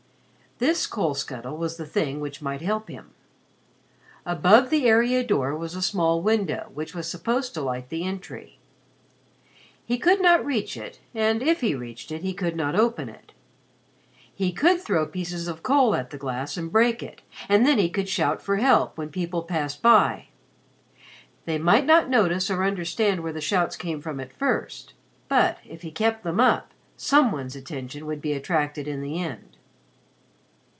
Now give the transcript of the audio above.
This coal scuttle was the thing which might help him! Above the area door was a small window which was supposed to light the entry. He could not reach it, and, if he reached it, he could not open it. He could throw pieces of coal at the glass and break it, and then he could shout for help when people passed by. They might not notice or understand where the shouts came from at first, but, if he kept them up, some one's attention would be attracted in the end.